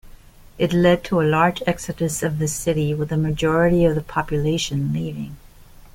It led to a large exodus of the city, with a majority of the population leaving.